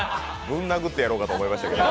ぶん殴ってやろうかと思いましたけど。